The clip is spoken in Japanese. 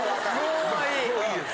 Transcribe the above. もういいです。